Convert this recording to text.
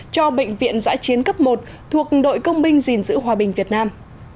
cho bệnh viện giãi chiến cấp một thuộc đội công binh dình dữ hòa bình việt nam